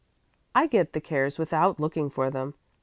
I get the cares without looking for them.